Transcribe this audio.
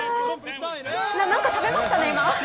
何か食べましたね、今。